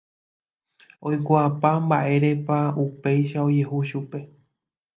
Oikuaapa mba'érepa upéicha ojehu chupe.